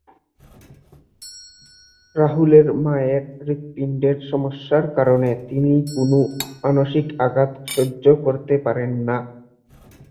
রাহুলের মায়ের হৃৎপিণ্ডের সমস্যার কারণে তিনি কোন মানসিক আঘাত সহ্য করতে পারেন না।